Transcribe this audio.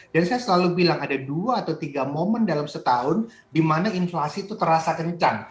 dan saya selalu bilang ada dua atau tiga momen dalam setahun di mana inflasi itu terasa kencang